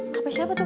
hp siapa tuh